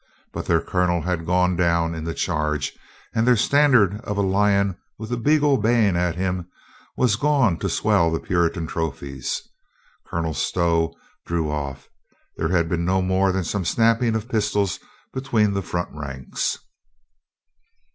But their colonel had gone down in the charge, and their standard of a lion with a beagle baying at him was gone to swell the Puritan trophies. Colonel Stow drew off. There had been no more than some snapping of pistols be tween the front ranks.